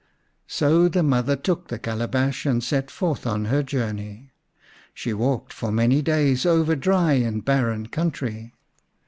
So the mother took the calabash and set forth on her journey. She walked for many days over dry and barren country.